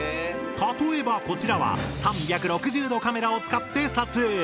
例えばこちらは３６０°カメラを使って撮影。